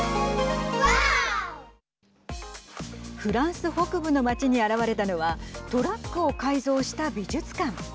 フランス北部の町に現れたのはトラックを改造した美術館。